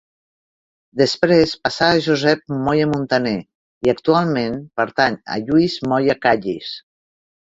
Després passà a Josep Molla Muntaner i actualment pertany a Lluís Molla Callís.